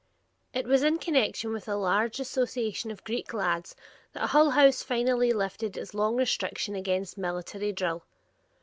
It was in connection with a large association of Greek lads that Hull House finally lifted its long restriction against military drill.